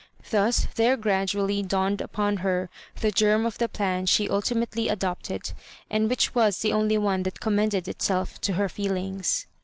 Thus there gradually dawned upon her the germ of the plan she ultimately adopt ed, and which was the only one that commended itself to her feelings.